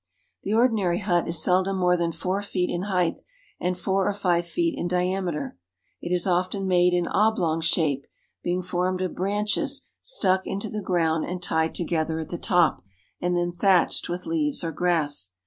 The ordinary hut is seldom more that four feet in height and four or five feet in diameter. It is often made in oblong shape, being formed of branches stuck into the ground aud tied together at the top, and then thatched with leaves or grass.